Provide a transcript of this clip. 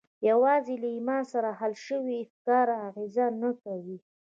یوازې له ایمان سره حل شوي افکار اغېز نه کوي